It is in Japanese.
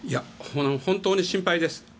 本当に心配です。